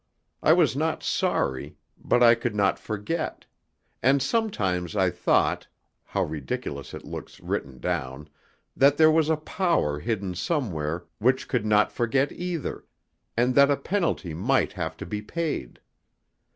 I was not sorry, but t could not forget; and sometimes I thought how ridiculous it looks written down! that there was a power hidden somewhere which could not forget either, and that a penalty might have to be paid.